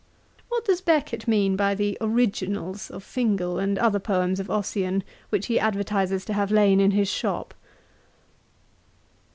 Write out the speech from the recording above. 'What does Becket mean by the Originals of Fingal and other poems of Ossian, which he advertises to have lain in his shop?'